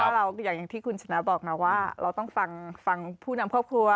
เราอย่างที่คุณชนะบอกนะว่าเราต้องฟังผู้นำครอบครัว